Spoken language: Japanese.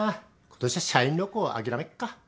今年は社員旅行は諦めっか。